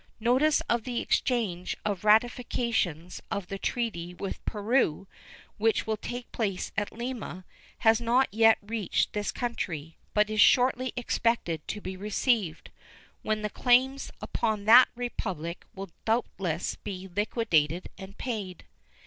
Notice of the exchange of ratifications of the treaty with Peru, which will take place at Lima, has not yet reached this country, but is shortly expected to be received, when the claims upon that Republic will doubtless be liquidated and paid.